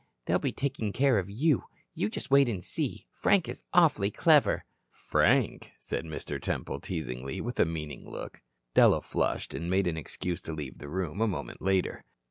They'll be taking care of you. Just you wait and see. Frank is awfully clever." "Frank?" said Mr. Temple teasingly, with a meaning look. Della flushed, and made an excuse to leave the room a moment later.